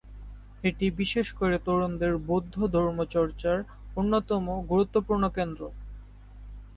এটি বিশেষ করে তরুণদের বৌদ্ধ ধর্ম চর্চার অন্যতম গুরুত্বপূর্ণ কেন্দ্র।